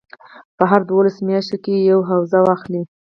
په هرو دولسو میاشتو کې یوه حوزه واخلي.